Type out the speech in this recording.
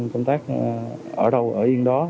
công tác ở đâu ở yên đó